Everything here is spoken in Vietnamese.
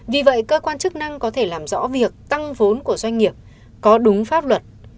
vì vậy cơ quan chức năng có thể làm rõ việc tăng vốn của doanh nghiệp có đúng pháp luật